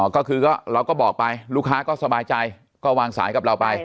ก็คือเราก็บอกไปลูกค้าก็สบายใจก็วางสายกับเราไป